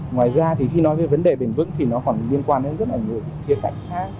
ngoài ra thì khi nói về vấn đề bền vững thì nó còn liên quan đến rất là nhiều khía cạnh khác